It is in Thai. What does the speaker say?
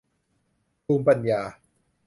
ภูมิปัญญา